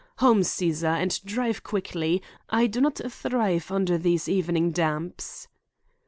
Home, Cæsar, and drive quickly. I do not thrive under these evening damps."